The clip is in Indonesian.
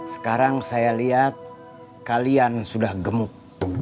sekarang saya lihat kalian sudah gemuk